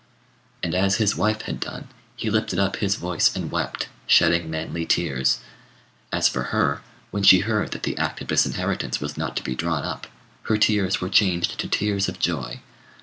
And as his wife had done, he lifted up his voice and wept, shedding manly tears. As for her, when she heard that the act of disinheritance was not to be drawn up, her tears were changed to tears of joy.